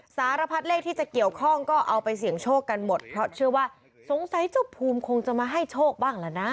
สารพัดเลขที่จะเกี่ยวข้องก็เอาไปเสี่ยงโชคกันหมดเพราะเชื่อว่าสงสัยเจ้าภูมิคงจะมาให้โชคบ้างแล้วนะ